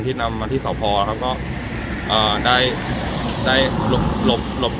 ที่นำมาที่สาวภาสาหร่าครับก็เอ่อได้ได้หลบหลบหลบ